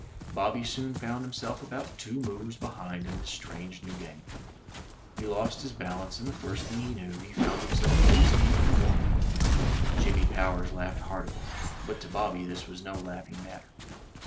Bobby soon found himself about two moves behind in this strange new game. He lost his balance, and the first thing he knew, he found himself waist deep in the water. Jimmy Powers laughed heartily; but to Bobby this was no laughing matter.